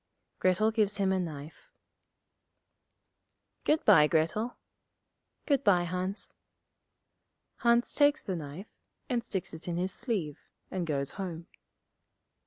Grettel gives him a knife. 'Good bye, Grettel.' 'Good bye, Hans.' Hans takes the knife, and sticks it in his sleeve, and goes home.